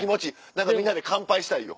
何かみんなで乾杯したいよ。